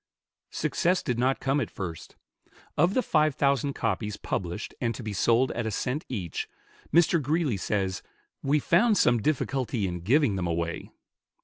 Success did not come at first. Of the five thousand copies published and to be sold at a cent each, Mr. Greeley says, "We found some difficulty in giving them away."